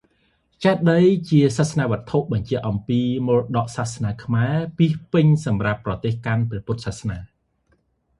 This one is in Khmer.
ចេតិយ ជាសាសនវត្ថុបញ្ជាក់អំពីមរតកសាសនាខ្មែរ ពាសពេញសម្រាប់ប្រទេសកាន់ព្រះពុទ្ធសាសនា។